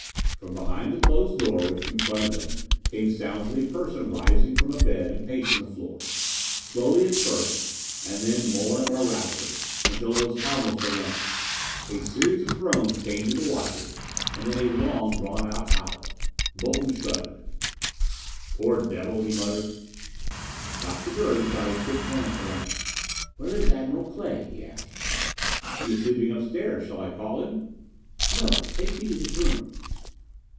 From behind the closed door which confronted them came sounds of a person rising from a bed and pacing the floor, slowly at first, and then more and more rapidly, until it was almost a run. A series of groans came to the watchers and then a long drawn out howl. Bolton shuddered. "Poor devil!" he muttered. Dr. Bird shot a quick glance around. "Where is Admiral Clay?" he asked. "He is sleeping upstairs. Shall I call him?" "No. Take me to his room."